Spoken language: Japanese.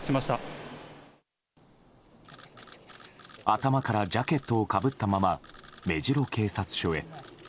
頭からジャケットをかぶったまま目白警察署へ。